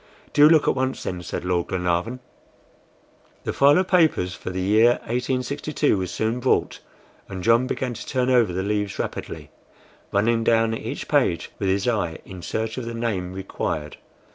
"Do look at once, then," said Lord Glenarvan. The file of papers for the year 1862 was soon brought, and John began to turn over the leaves rapidly, running down each page with his eye in search of the name required.